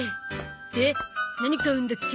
で何買うんだっけ？